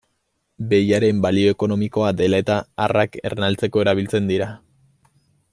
Behiaren balio ekonomikoa dela-eta, arrak ernaltzeko erabiltzen dira.